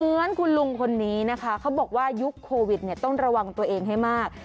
เหมือนคุณลุงคนนี้นะคะเขาบอกว่ายุคโควิดเนี่ยต้องระวังตัวเองให้มาก